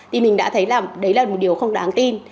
thì mình đã thấy là đấy là một điều không đáng tin